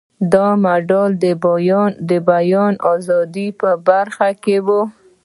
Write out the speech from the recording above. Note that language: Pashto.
دا مډال د بیان ازادۍ په برخه کې و.